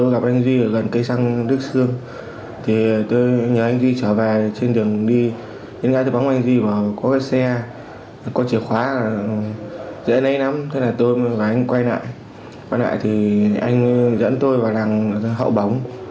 có chìa khóa dễ lấy lắm thế là tôi và anh quay lại quay lại thì anh dẫn tôi vào làng hậu bóng